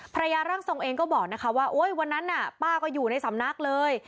ร่างทรงเองก็บอกนะคะว่าโอ๊ยวันนั้นน่ะป้าก็อยู่ในสำนักเลย